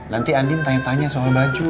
nanti andin tanya tanya soal baju